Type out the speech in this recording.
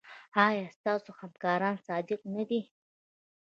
ایا ستاسو همکاران صادق نه دي؟